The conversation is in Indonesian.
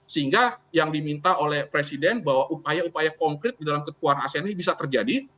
sehingga yang diminta oleh presiden bahwa upaya upaya konkret di dalam ketua asean ini bisa terjadi